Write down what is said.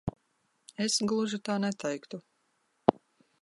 Es gluži tā neteiktu.